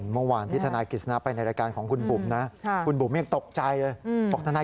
เมื่อวานที่ธนายกิจสนะไปในและการของคุณบุหมนะ